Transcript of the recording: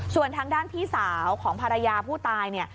ส่วนทางด้านพี่สาวของภรรยาผู้ตายเนี่ย